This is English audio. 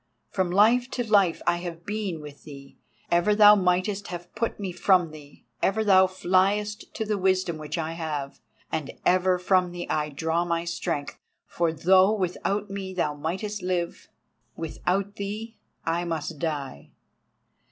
From Life to Life I have been with thee: ever thou mightest have put me from thee, ever thou fliest to the wisdom which I have, and ever from thee I draw my strength, for though without me thou mightest live, without thee I must die.